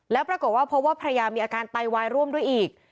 แล้วปรากฏว่าพบว่าภรรยามีอาการไตวายร่วมด้วยอีก